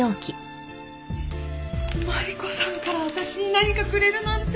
マリコさんから私に何かくれるなんて！